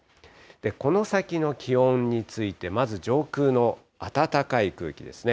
この先の気温について、まず上空の暖かい空気ですね。